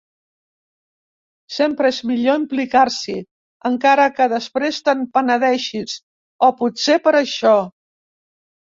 Sempre és millor implicar-s'hi, encara que després te'n penedeixis, o potser per això!